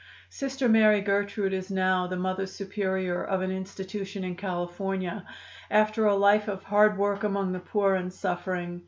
"Sister Mary Gertrude is now the Mother Superior of an institution in California, after a life of hard work among the poor and suffering.